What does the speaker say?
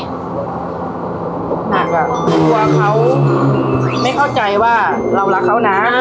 หนักอ่ะกลัวเขาไม่เข้าใจว่าเรารักเขานะ